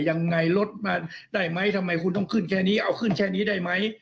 ยังไงรถมาได้ไหมทำไมคุณต้องขึ้นแค่นี้เอาขึ้นแค่นี้ได้ไหม